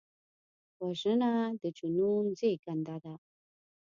وژنه د جنون زیږنده ده